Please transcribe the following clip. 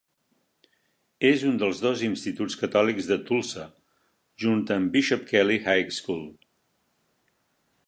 És un dels dos instituts catòlics de Tulsa, junt amb Bishop Kelley High School.